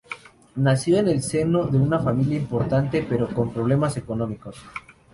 Nació en el seno de una familia importante pero con problemas económicos.